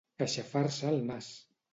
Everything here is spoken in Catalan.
Aixafar-se el nas.